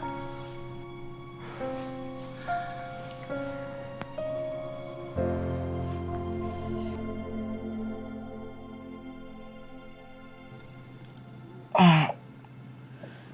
jangan sampai atuh pak